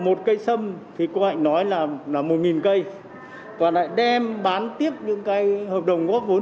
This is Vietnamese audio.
mua của phần hợp đồng góp vốn hợp đồng mượn vốn